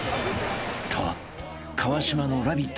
［と川島の『ラヴィット！』